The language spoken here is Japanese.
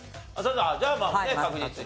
じゃあまあね確実にね。